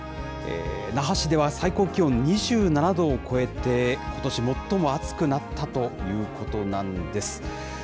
那覇市では最高気温２７度を超えて、ことし最も暑くなったということなんです。